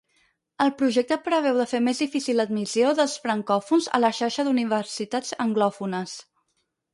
El projecte preveu de fer més difícil l'admissió dels francòfons a la xarxa d'universitats anglòfones.